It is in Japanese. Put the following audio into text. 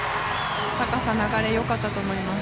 高さ流れ良かったと思います。